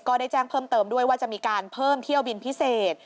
ก็ได้แจ้งเพิ่มเติมด้วยว่าจะมีการเพิ่มเที่ยวบินพิเศษ